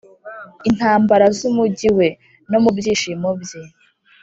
intambara z'umujyi we; no mu byishimo bye